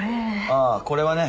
ああこれはね